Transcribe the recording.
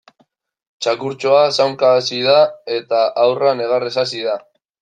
Txakurtxoa zaunka hasi da eta haurra negarrez hasi da.